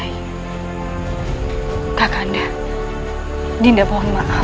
hai kakanda dinda mohon maaf